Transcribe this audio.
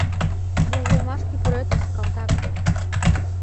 Вожылмашке пуретыс, калтак.